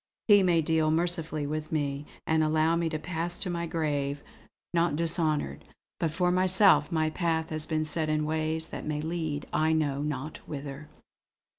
He may deal mercifully with me, and allow me to pass to my grave not dishonoured; but for myself my path has been set in ways that may lead I know not whither."